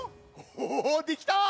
おできた！